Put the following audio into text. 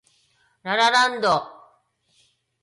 ラ・ラ・ランド